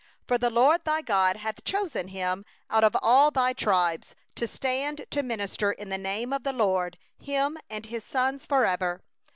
5For the LORD thy God hath chosen him out of all thy tribes, to stand to minister in the name of the LORD, him and his sons for ever.